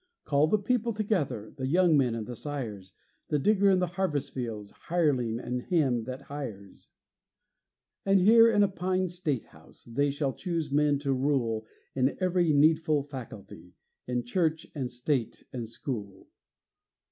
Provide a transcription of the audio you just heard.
Call the people together, The young men and the sires, The digger in the harvest field, Hireling and him that hires; And here in a pine state house They shall choose men to rule In every needful faculty, In church and state and school.